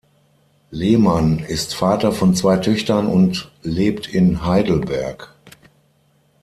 Lehmann ist Vater von zwei Töchtern und lebt in Heidelberg.